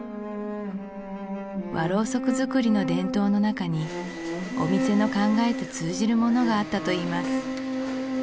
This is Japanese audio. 和ろうそく作りの伝統の中にお店の考えと通じるものがあったといいます